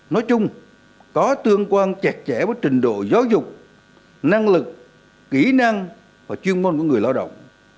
nói chung có tương quan chặt chẽ với trình độ giáo dục năng lực kỹ năng và chuyên môn của người lao động